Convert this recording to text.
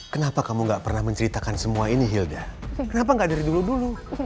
kenapa kamu gak pernah menceritakan semua ini hilda kenapa gak dari dulu dulu